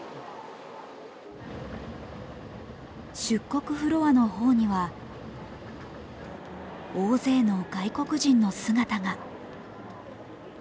出国フロアのほうには大勢の外国人の姿が。